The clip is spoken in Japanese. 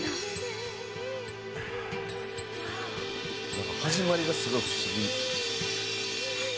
「なんか始まりがすごい不思議」